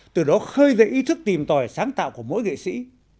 từ đó khơi dậy ý thức tìm tòi sáng tạo của mỗi nghệ sĩ